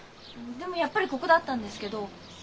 でもやっぱりここだったんですけど。